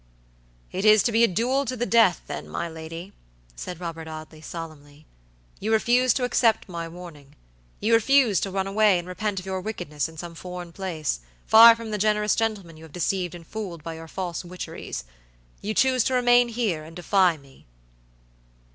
"It is to be a duel to the death, then, my lady," said Robert Audley, solemnly. "You refuse to accept my warning. You refuse to run away and repent of your wickedness in some foreign place, far from the generous gentleman you have deceived and fooled by your false witcheries. You choose to remain here and defy me."